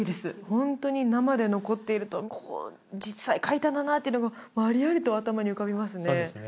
ホントに生で残っているとこう実際書いたんだなってのがありありと頭に浮かびますね